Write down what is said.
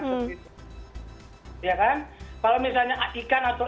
kalau misalnya ikan atau lobsternya masih ada di perairan artinya kita masih happy